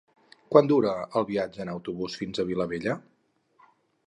Quant dura el viatge en autobús fins a Vilabella?